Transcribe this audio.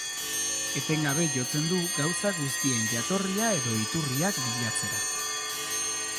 Etengabe jotzen du gauza guztien jatorria edo iturriak bilatzera.